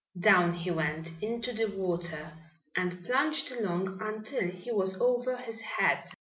Down he went into the water and plunged along until he was over his head.